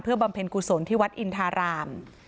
เพื่อบำเพ็ญกุศลที่วัดอินทาราม